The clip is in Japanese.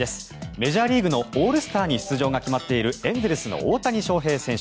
メジャーリーグのオールスターに出場が決まっているエンゼルスの大谷翔平選手。